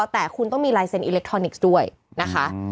แต่คุณต้องมีลายเซ็นอิเล็กทรอนิกส์ด้วยนะคะ